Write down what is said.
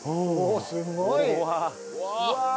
すごい！